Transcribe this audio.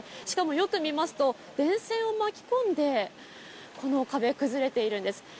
しかも、よく見ますと電線を巻き込んで、この壁が崩れているんです。